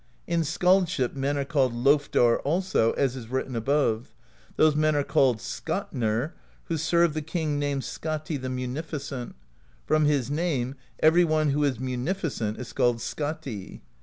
In skaldship men are called Lofdar also, as is written above. ^ Those men were called Skatnar^ who served the king named Skati the Munificent: from his name every one who is munificent is called Skati.